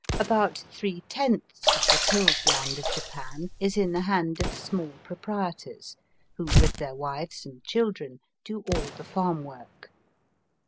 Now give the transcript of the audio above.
About three tenths of the tilled land of Japan is in the hand of small proprietors, who, with their wives and children, do all the farm work.